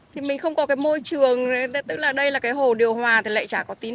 thì mình không có cái môi trường tức là đây là cái hồ điều hòa thì lại chả có tín